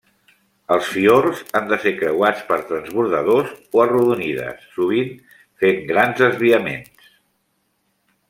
Els fiords han de ser creuats per transbordadors o arrodonides, sovint fent grans desviaments.